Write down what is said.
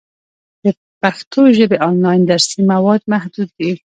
د پښتو ژبې آنلاین درسي مواد محدود دي.